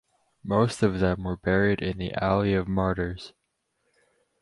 Most of them were buried in the Alley of Martyrs.